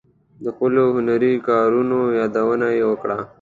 د خپلو هنري کارونو یادونه یې وکړه.